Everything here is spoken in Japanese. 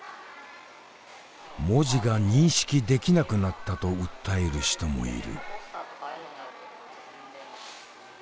文字が認識できなくなったと訴える人もいる。